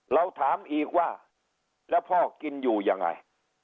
เราถามอีกว่าแล้วพ่อกินอยู่ยังไง